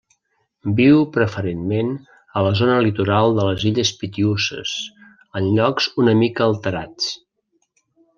Viu preferentment a la zona litoral de les illes Pitiüses, en llocs una mica alterats.